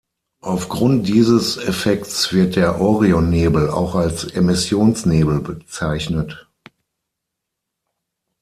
Aufgrund dieses Effekts, wird der Orionnebel auch als Emissionsnebel bezeichnet.